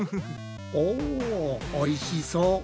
おおいしそう！